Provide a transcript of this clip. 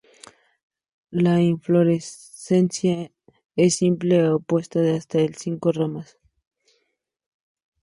La inflorescencia es simple o compuesta de hasta cinco ramas.